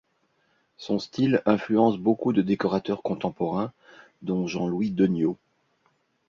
Son style influence beaucoup de décorateurs contemporains, dont Jean-Louis Deniot.